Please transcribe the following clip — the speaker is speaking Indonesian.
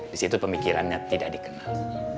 di situ pemikirannya tidak dikenal